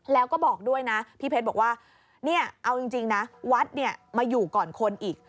แล้วก็บอกด้วยนะพี่เพชรบอกว่าเนี่ยเอาจริงนะวัดเนี่ยมาอยู่ก่อนคนอีก